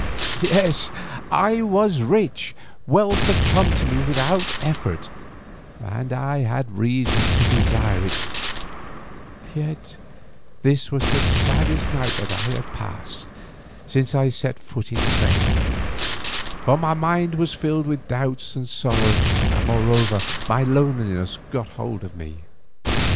Yes, I was rich, wealth had come to me without effort, and I had reason to desire it, yet this was the saddest night that I had passed since I set foot in Spain, for my mind was filled with doubts and sorrow, and moreover my loneliness got a hold of me.